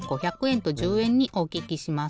んと１０えんにおききします。